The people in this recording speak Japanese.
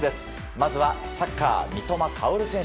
まずはサッカー、三笘薫選手。